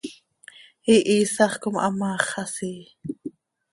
Ihiisax com hamaax xasii.